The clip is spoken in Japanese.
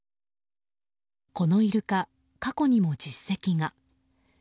このイルカ、過去にも実績が。